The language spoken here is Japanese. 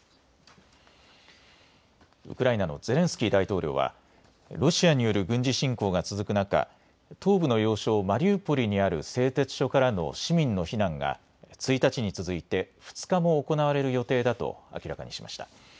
ウクライナのゼレンスキー大統領はロシアによる軍事侵攻が続く中、東部の要衝マリウポリにある製鉄所からの市民の避難が１日に続いて２日も行われる予定だと明らかにしました。